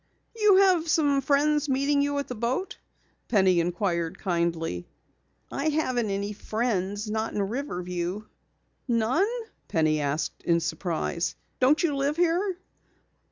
"You have friends meeting you at the boat?" Penny inquired kindly. "I haven't any friends not in Riverview." "None?" Penny asked in surprise. "Don't you live here?"